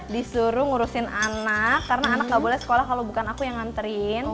disuruh ngurusin anak karena anak gak boleh sekolah kalau bukan aku yang nganterin